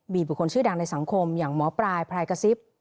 มีบุคคลชื่อดังในสังคมอย่างหมอปลายพรายกระซิบ